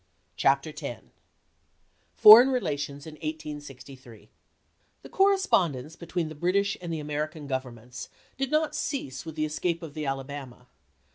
CHAPTER X FOREIGN RELATIONS IN 1863 THE correspondence between the British and the American governments did not cease with the escape of the Alabama.